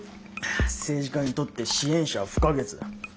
政治家にとって支援者は不可欠だ。